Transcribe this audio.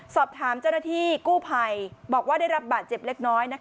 สอบถามเจ้าหน้าที่กู้ภัยบอกว่าได้รับบาดเจ็บเล็กน้อย